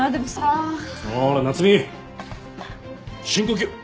ほら夏海深呼吸。